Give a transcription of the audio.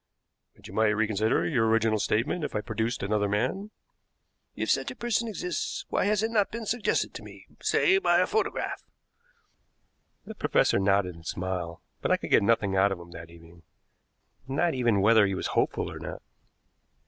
"But you might reconsider your original statement if I produced another man?" "If such a person exists, why has it not been suggested to me, say, by a photograph?" The professor nodded and smiled, but I could get nothing out of him that evening, not even whether he was hopeful or not.